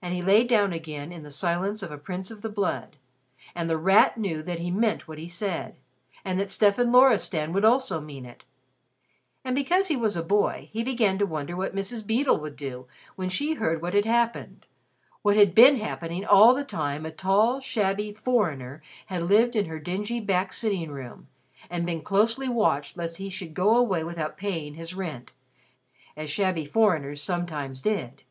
And he lay down again in the silence of a prince of the blood. And The Rat knew that he meant what he said, and that Stefan Loristan also would mean it. And because he was a boy, he began to wonder what Mrs. Beedle would do when she heard what had happened what had been happening all the time a tall, shabby "foreigner" had lived in her dingy back sitting room, and been closely watched lest he should go away without paying his rent, as shabby foreigners sometimes did.